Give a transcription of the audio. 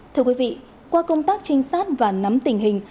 thưa quý vị qua công tác trinh sát và nắm tình hình